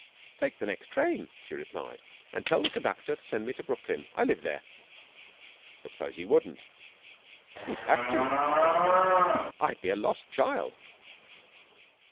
'Take the, next train,' she replied, 'and tell the conductor to send me to Brooklyn. I live there.' 'But s'pose he wouldn't?' 'He'd have to,' said Young America. 'I'd be a lost child.'